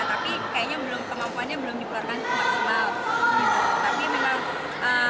tapi kayaknya belum kemampuannya belum dikeluarkan ke maksimal gitu tapi memang bisa juga ya